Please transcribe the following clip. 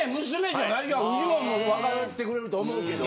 フジモンも分かってくれると思うけど。